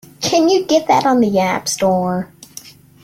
Can you get that on the App Store?